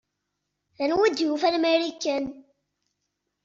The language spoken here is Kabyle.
Anwa i d-yufan Marikan?